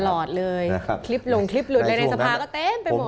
ตลอดเลยคลิปหลงคลิปหลุดอะไรในสภาก็เต็มไปหมด